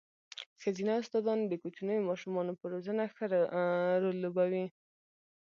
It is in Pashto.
ښځينه استاداني د کوچنيو ماشومانو په روزنه ښه رول لوبوي.